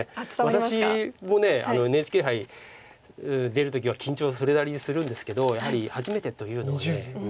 私もＮＨＫ杯出る時は緊張それなりにするんですけどやはり初めてというのは緊張する。